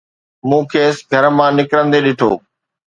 مون کيس گھر مان نڪرندي ڏٺو